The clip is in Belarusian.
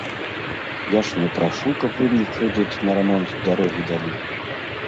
Я ж не прашу каб вы мяне крэдыт на рамонт дарогі далі.